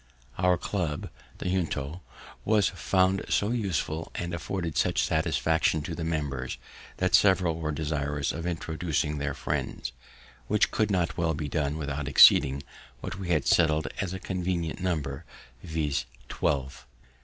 Our club, the Junto, was found so useful, and afforded such satisfaction to the members, that several were desirous of introducing their friends, which could not well be done without exceeding what we had settled as a convenient number, viz., twelve.